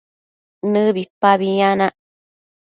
nëbipabi yanac